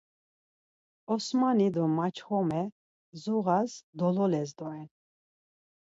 Osmani do maçxome zuğas dololes doren.